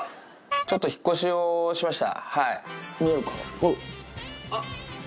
ちょっと引っ越しをしました。